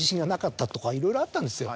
いろいろあったんですよ。